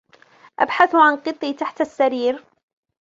ابحث عن قطي تحت السرير.